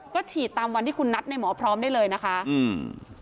ก็ฉีดตามวันที่คุณนัดในหมอพร้อมได้เลยนะคะอืม